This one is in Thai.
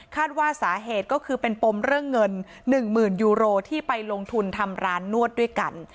ว่าสาเหตุก็คือเป็นปมเรื่องเงิน๑๐๐๐ยูโรที่ไปลงทุนทำร้านนวดด้วยกัน